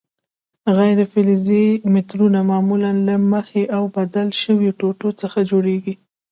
غیر فلزي مترونه معمولاً له محې او بدل شویو ټوټو څخه جوړیږي.